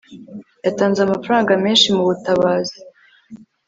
yatanze amafaranga menshi mubutabazi